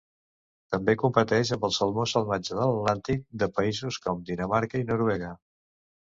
També competeix amb el salmó salvatge de l'Atlàntic de països com Dinamarca i Noruega.